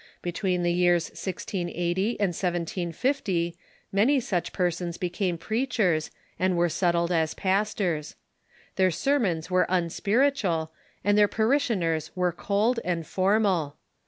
Between the years 1C80 and 1750 many such persons became j^reachers, and were settled as pastors. Their sermons were un spiritual, and their parishioners were cold and formal.